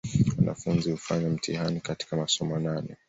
Wanafunzi hufanya mtihani katika masomo nane